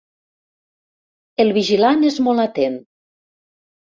El vigilant és molt atent.